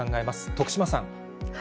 徳島さん。